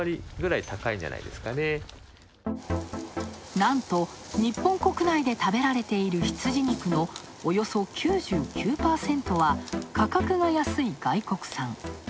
なんと、日本国内で食べられている羊肉のおよそ９９％は価格が安い外国産。